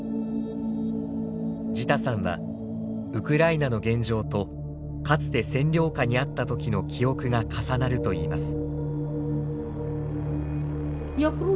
ジタさんはウクライナの現状とかつて占領下にあった時の記憶が重なるといいます。